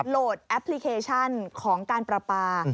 โหลดแอปพลิเคชันของการปราปา